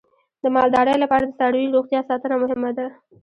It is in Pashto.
د مالدارۍ لپاره د څارویو روغتیا ساتنه مهمه ده.